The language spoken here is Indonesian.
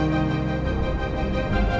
lo mau kemana